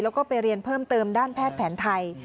แล้วก็ไปเรียนเพิ่มเติมด้านแพทย์แผนไทย